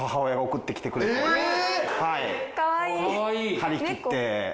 張りきって。